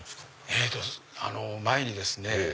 えっと前にですね。